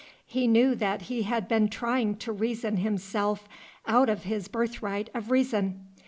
He knew that he had been trying to reason himself out of his birthright of reason.